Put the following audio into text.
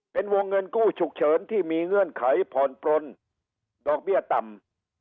เป็นวงเงินกู้ฉุกเฉินที่มีเงื่อนไขผ่อนปลนดอกเบี้ยต่ำ